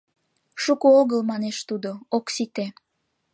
— Шуко огыл, — манеш тудо, — ок сите.